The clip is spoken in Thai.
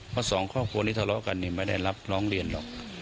เพราะสองครอบครัวนี้ทะเลาะกันไม่ได้รับร้องเรียนหรอก